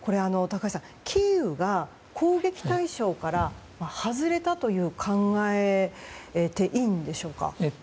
高橋さん、キーウが攻撃対象から外れたという考えでいいんでしょうか。